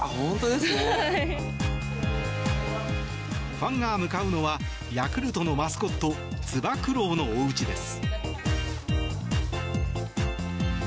ファンが向かうのはヤクルトのマスコットつば九郎のお家です。